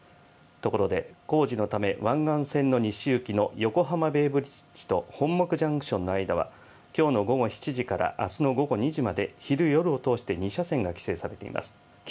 ところで、工事のため、湾岸線の西行きの横浜ベイブリッジと本牧ジャンクションの間は、きょうの午後７時からあすの午後２時まで、昼夜を通して２車線が規制されます。